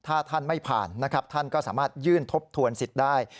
ถ้าท่านไม่ผ่านนะครับท่านก็สามารถยื่นทบทวนสิทธิ์ได้